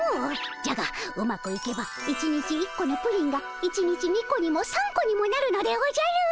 じゃがうまくいけば１日１個のプリンが１日２個にも３個にもなるのでおじゃる！